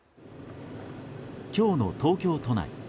今日の東京都内。